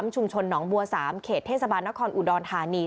ชุมชนหนองบัว๓เขตเทศบาลนครอุดรธานี